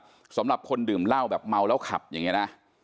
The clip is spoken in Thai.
ในเลือดนะครับสำหรับคนดื่มเหล้าแบบเมาแล้วขับอย่าเงียนฮะ